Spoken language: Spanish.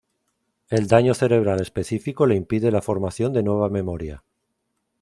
El daño cerebral específico le impide la formación de nueva memoria.